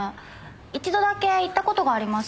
一度だけ行った事があります。